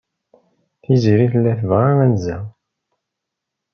Tiziri tella tebɣa anza.